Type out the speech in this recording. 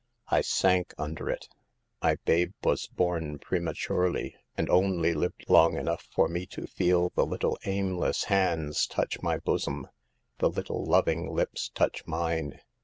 I sank under it. My babe was born prematurely, and only lived long enough for me to feel the little aimless hands touch my bosom, the little loving lips touch mine.